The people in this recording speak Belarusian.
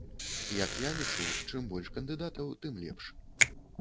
Як я лічу, чым больш кандыдатаў, тым лепш.